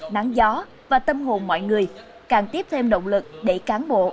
nắng gió và tâm hồn mọi người càng tiếp thêm động lực để cán bộ